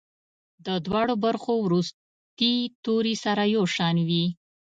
د دواړو برخو وروستي توري سره یو شان وي.